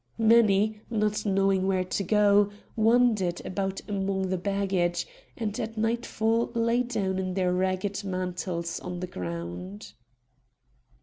Many, not knowing where to go, wandered about among the baggage, and at nightfall lay down in their ragged mantles on the ground.